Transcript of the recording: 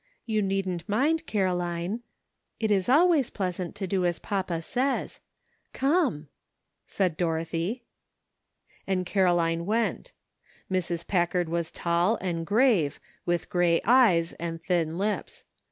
You needn't mind, Caroline ; it is 218 A LONG, WONDERFUL DAY. always pleasant to do as papa says; come," said Dorothy. And Caroline went. Mrs. Packard was tall and grave, with gray eyes and thin lips.